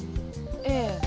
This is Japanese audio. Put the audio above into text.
ええ。